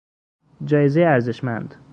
جایزهی ارزشمند